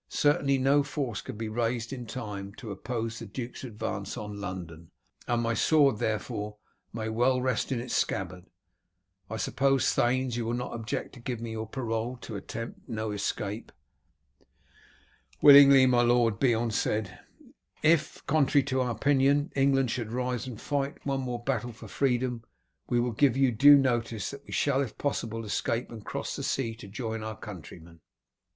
Certainly no force can be raised in time to oppose the duke's advance on London, and my sword therefore may well rest in its scabbard. I suppose, thanes, you will not object to give me your parole to attempt no escape?" "Willingly, my lord," Beorn said. "If, contrary to our opinion, England should rise and fight one more battle for freedom, we will give you due notice that we shall if possible escape and cross the sea to join our countrymen."